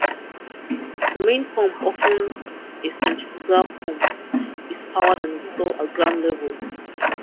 The main pump, often a centrifugal pump, is powered and installed at ground level.